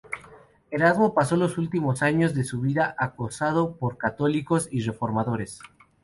Erasmo pasó los últimos años de su vida acosado por católicos y reformadores.